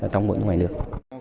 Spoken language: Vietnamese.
trong mỗi nước ngoài nước